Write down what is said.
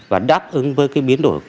và đáp ứng với cái biến đổi